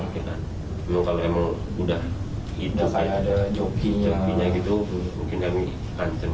kalau emang udah hidup jokinya gitu mungkin kami pancam